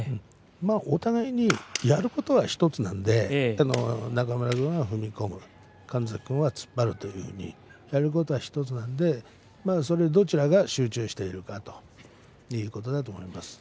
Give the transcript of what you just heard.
お互いにやることは１つなんで中村君は踏み込む神崎君は突っ張るやることは１つなのでどちらが集中しているかということだと思います。